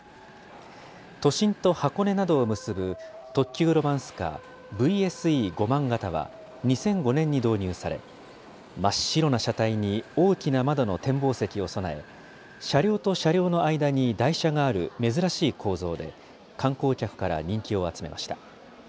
都心と箱根などを結ぶ、特急ロマンスカー・ＶＳＥ５００００型は、２００５年に導入され、真っ白な車体に大きな窓の展望席を備え、車両と車両の間に台車がある珍しい構造で、観光客から人気を集めました。